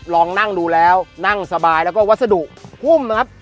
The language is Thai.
ลองนั่งดูแล้วนั่งสบายแล้วก็วัสดุหุ้มนะครับ